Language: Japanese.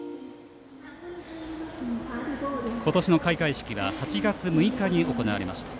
今年の開会式は８月６日に行われました。